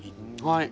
はい。